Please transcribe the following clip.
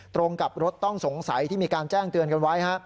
ตรงกับรถต้องสงสัยที่มีการแจ้งเตือนกันไว้